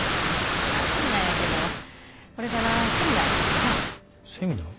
休みなんやけどこれからセミナーがあってな。セミナー？